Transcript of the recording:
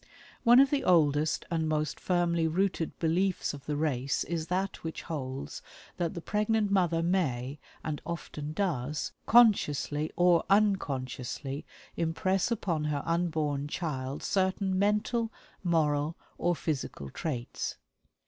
One of the oldest and most firmly rooted beliefs of the race is that which holds that the pregnant mother may, and often does, consciously or unconsciously, impress upon her unborn child certain mental, moral, or physical traits.